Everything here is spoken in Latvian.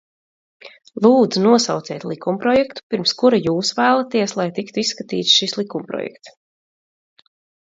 Lūdzu, nosauciet likumprojektu, pirms kura jūs vēlaties, lai tiktu izskatīts šis likumprojekts!